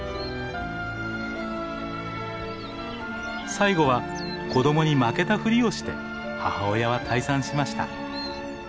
最後は子供に負けたふりをして母親は退散しました。